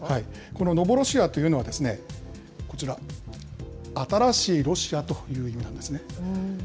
このノボロシアというのは、こちら、新しいロシアという意味なんですね。